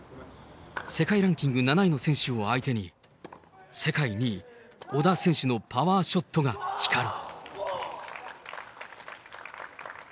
世界ランキング７位の選手を相手に、世界２位、小田選手のパワーショットが光る。